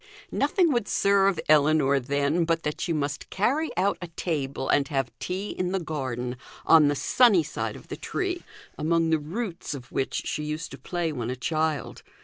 Nothing would serve Ellinor, then, but that she must carry out a table and have tea in the garden, on the sunny side of the tree, among the roots of which she used to play when a child.